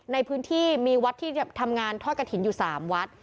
ในพื้นที่มีวัดที่ทำงานทอดกระถิ่นอยู่๓วัด